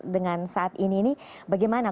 dengan saat ini bagaimana